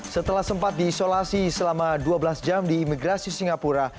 setelah sempat diisolasi selama dua belas jam di imigrasi singapura